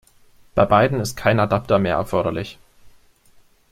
Bei beiden ist kein Adapter mehr erforderlich.